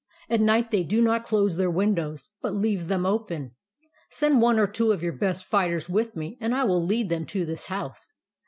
At night they do not close their windows, but leave them open. Send one or two of your best fighters with me, and I will lead them to this house.